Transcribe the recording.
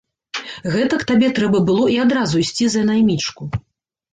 Гэтак табе трэба было і адразу ісці за наймічку!